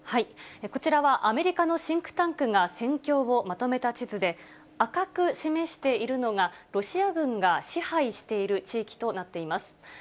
こちらはアメリカのシンクタンクが戦況をまとめた地図で、赤く示しているのが、ロシア軍が支配している地域となっています。